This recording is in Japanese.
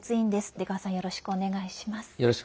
出川さん、よろしくお願いします。